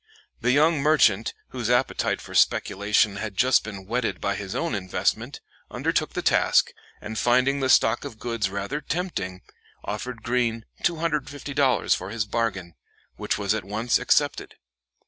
The young merchant, whose appetite for speculation had just been whetted by his own investment, undertook the task, and, finding the stock of goods rather tempting, offered Greene $250 for his bargain, which was at once accepted.